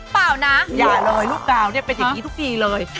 เปล่านะอย่าเลยลูกกาวเนี่ยเป็นอย่างนี้ทุกทีเลย